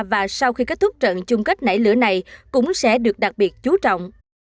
và sau khi kết thúc trận chung kết nảy lửa này cũng sẽ được đặc biệt chú trọng